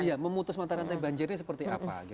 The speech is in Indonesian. ya memutus pantaran antai banjirnya seperti apa